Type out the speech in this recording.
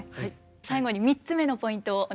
最後に３つ目のポイントをお願いします。